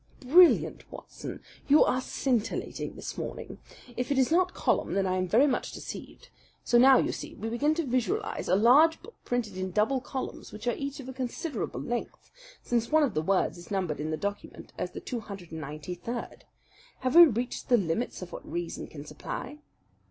"Brilliant, Watson. You are scintillating this morning. If it is not column, then I am very much deceived. So now, you see, we begin to visualize a large book printed in double columns which are each of a considerable length, since one of the words is numbered in the document as the two hundred and ninety third. Have we reached the limits of what reason can supply?"